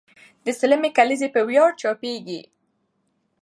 د سلمې کلیزې په ویاړ چاپېږي.